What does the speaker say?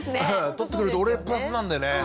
取ってくれると俺プラスなんだよねっていう。